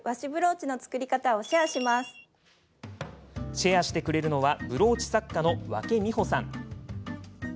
シェアしてくれるのはブローチ作家の、わけみほさん。